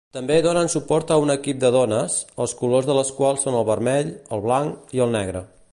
També donen suport a un equip de dones, els colors de les quals són el vermell, el blanc i el negre.